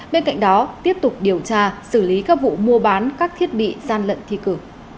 bên cạnh đó tiếp tục điều tra xử lý các vụ mua bán các thiết bị gian lận thi cử